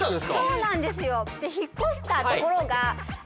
そうなんですよ。